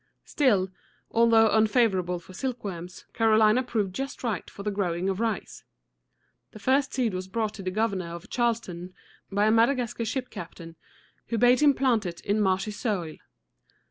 Still, although unfavorable for silkworms, Carolina proved just right for the growing of rice. The first seed was brought to the governor of Charles´ton by a Mad a gas´car ship captain, who bade him plant it in marshy soil.